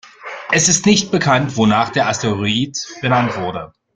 Es ist nicht bekannt, wonach der Asteroid benannt wurde.